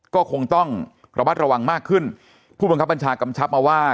ก็คงต้องระมัดระวังมากขึ้นผู้บังคับบัญชากำชับมาว่า